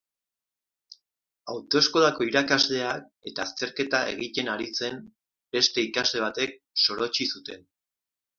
Autoeskolako irakasleak eta azterketa egiten ari zen beste ikasle batek sorotsi zuten.